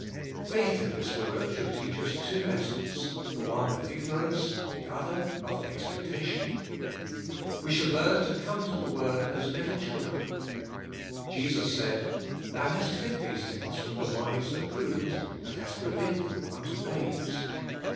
Faith in this Word should teach us two lessons, the one of ignorance, the other of expectation. We should learn to come to the Word as little children. Jesus said, " Thou hast hid these things from the wise and prudent, and hast revealed them unto babes."